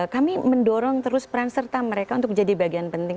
kami mendorong terus peran serta mereka untuk menjadi bagian penting